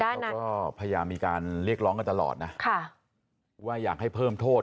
เขาก็พยายามมีการเรียกร้องกันตลอดนะว่าอยากให้เพิ่มโทษ